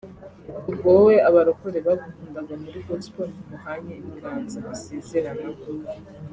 ubwo wowe abarokore bagukundaga muri Gospel ntimuhanye ibiganza bisezeranaho